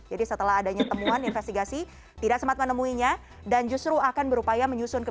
jadi setelah adanya temuan investigasi tidak sempat menemuinya dan justru akan berupaya menyusun kebijakan